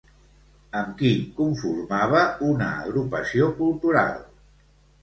Amb qui conformava una agrupació cultural?